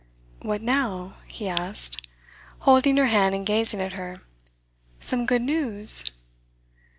'What now?' he asked, holding her hand and gazing at her. 'Some good news?